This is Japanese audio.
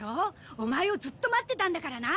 オマエをずっと待ってたんだからな！